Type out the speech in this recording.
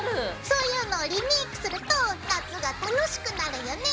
そういうのをリメイクすると夏が楽しくなるよね！